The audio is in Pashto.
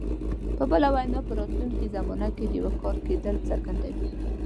په بله وینا په راتلونکي زمانه کې د یو کار کېدل څرګندوي.